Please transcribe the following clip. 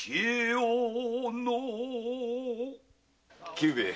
久兵衛